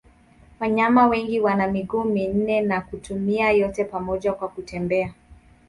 Wanyama wengi wana miguu minne na kuitumia yote pamoja kwa kutembea.